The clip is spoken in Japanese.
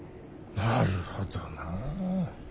なるほどな。